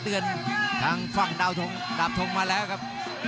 เตือนทางฝั่งดาวบทงมาแล้วครับ